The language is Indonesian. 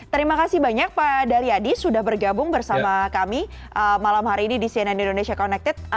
terima kasih banyak pak dali adi sudah bergabung bersama kami malam hari ini di cnn indonesia connected